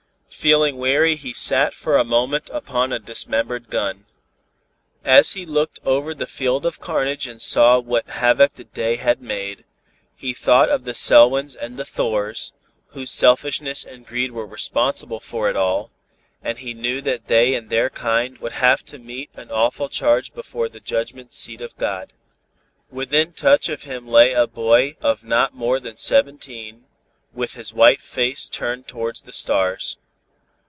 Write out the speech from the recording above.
Feeling weary he sat for a moment upon a dismembered gun. As he looked over the field of carnage and saw what havoc the day had made, he thought of the Selwyns and the Thors, whose selfishness and greed were responsible for it all, and he knew that they and their kind would have to meet an awful charge before the judgment seat of God. Within touch of him lay a boy of not more than seventeen, with his white face turned towards the stars.